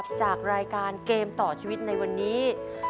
จากรายการเกมต่อชีวิตในวันนี้